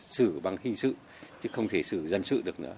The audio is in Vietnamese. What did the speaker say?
xử bằng hình sự chứ không thể xử dân sự được nữa